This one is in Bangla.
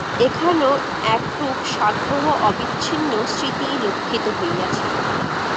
এখানেও একরূপ সাগ্রহ অবিচ্ছিন্ন স্মৃতিই লক্ষিত হইয়াছে।